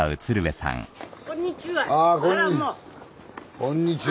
こんにちは。